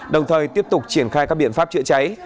đồng thời tiếp tục triển khai các biện pháp chữa cháy